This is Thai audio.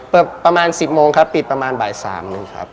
ประมาณ๑๐โมงครับปิดประมาณบ่าย๓นึงครับ